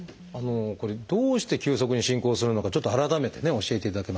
これどうして急速に進行するのかちょっと改めてね教えていただけますでしょうか？